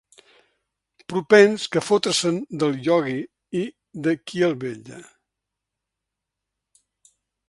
Propens que fotre-se'n del Iogui i de qui el vetlla.